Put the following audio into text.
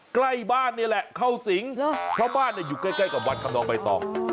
ใกล้บ้านนี่แหละเข้าสิงเพราะบ้านเนี่ยอยู่ใกล้ใกล้กับวันคำนองไปต่อ